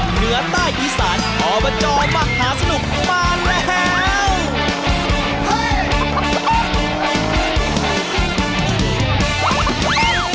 เหนือใต้อีสานอบจมหาสนุกมาแล้ว